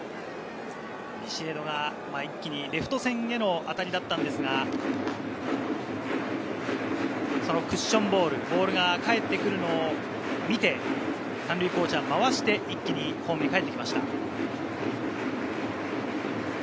ビシエドが一気にレフト線への当たりだったんですが、そのクッションボール、ボールが返ってくるのを見て、３塁コーチがまわして、一気にホームにかえってきました。